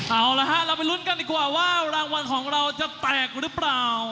เอาละฮะเราไปลุ้นกันดีกว่าว่ารางวัลของเราจะแตกหรือเปล่า